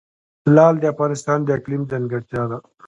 لعل د افغانستان د اقلیم ځانګړتیا ده.